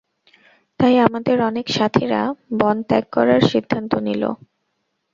তাই আমাদের অনেক সাথীরা বন ত্যাগ করার সিদ্ধান্ত নিল।